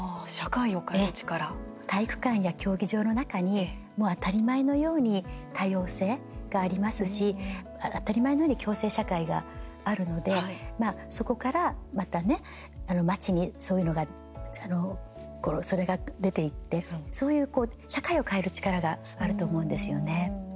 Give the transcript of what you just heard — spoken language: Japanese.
体育館や競技場の中にもう当たり前のように多様性がありますし、当たり前のように共生社会があるのでそこからまた、町にそういうのがそれが出て行ってそういう社会を変える力があると思うんですよね。